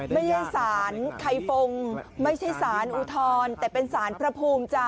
ไม่ใช่ศาลไข่ฟงไม่ใช่ศาลอูทรแต่เป็นศาลพระภูมิจ้ะ